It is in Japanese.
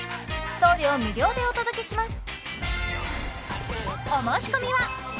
送料無料でお届けします